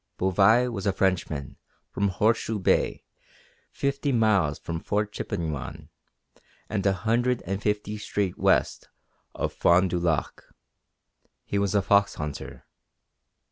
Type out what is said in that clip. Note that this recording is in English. Bouvais was a Frenchman from Horseshoe Bay, fifty miles from Fort Chippewyan, and a hundred and fifty straight west of Fond du Lac. He was a fox hunter.